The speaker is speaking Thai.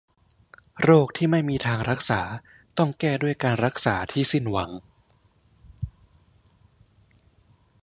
โรคที่ไม่มีทางรักษาต้องแก้ด้วยการรักษาที่สิ้นหวัง